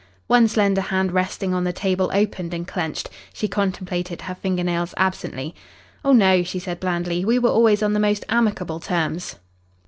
One slender hand resting on the table opened and clenched. She contemplated her finger nails absently. "Oh, no," she said blandly. "We were always on the most amicable terms."